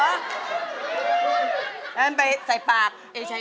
เพราะฉะนั้นไปใส่ปากเอเชยา